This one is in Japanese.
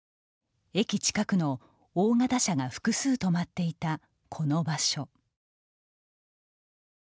駅近くの、大型車が複数止まっていた、この場所。